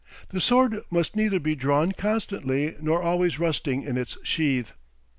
The sword must neither be drawn constantly nor always rusting in its sheath.